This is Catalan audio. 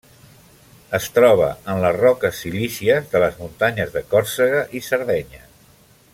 Es troba en les roques silícies de les muntanyes de Còrsega i Sardenya.